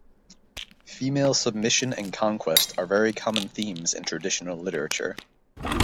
Female submission and conquest are very common themes in traditional literature.